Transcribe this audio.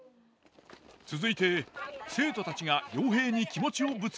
続いて生徒たちが陽平に気持ちをぶつけるシーン。